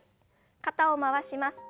肩を回します。